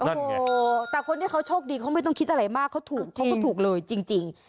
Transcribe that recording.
โอ้โหแต่คนที่เขาโชคดีเขาไม่ต้องคิดอะไรมากเขาถูกเขาก็ถูกเลยจริง